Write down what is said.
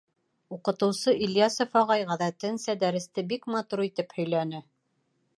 Уҡытыусы Ильясов ағай, ғәҙәтенсә, дәресте бик матур итеп һөйләне.